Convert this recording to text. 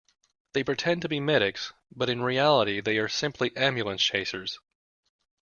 They pretend to be medics, but in reality they are simply ambulance chasers.